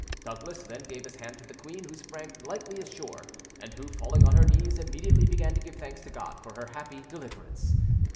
Douglas then gave his hand to the queen, who sprang lightly ashore, and who, falling on her knees, immediately began to give thanks to God for her happy deliverance.